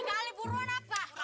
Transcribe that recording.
gali buruan apa